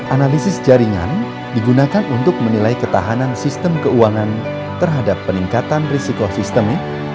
analisis jaringan digunakan untuk menilai ketahanan sistem keuangan terhadap peningkatan risiko sistemik